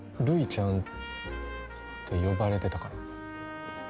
ルイちゃんって呼ばれてたから。